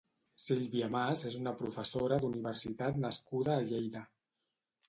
Silvia Mas és una professora d'universitat nascuda a Lleida.